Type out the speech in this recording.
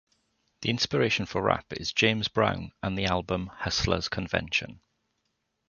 The inspiration for rap is James Brown and the album "Hustler's Convention".